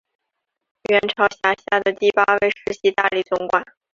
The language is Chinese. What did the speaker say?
元朝辖下的第八位世袭大理总管。